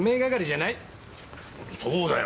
そうだよ！